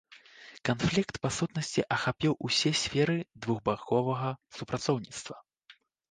Канфлікт па сутнасці ахапіў усе сферы двухбаковага супрацоўніцтва.